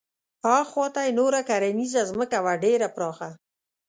اخواته یې نوره کرنیزه ځمکه وه ډېره پراخه.